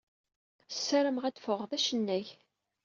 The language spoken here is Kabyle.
Sarameɣ ad d-ffɣeɣ d acennay.